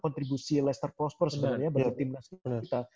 kontribusi leicester prosper sebenarnya